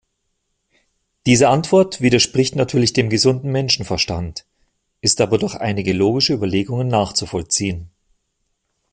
Diese Antwort widerspricht natürlich dem gesunden Menschenverstand, ist aber durch einige logische Überlegungen nachzuvollziehen.